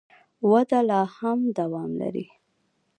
وده لا هم دوام لري.